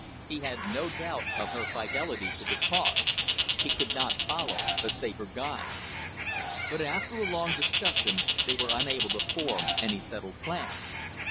He had no doubt of her fidelity to the cause. He could not follow a safer guide. But after a longer discussion, they were unable to form any settled plan.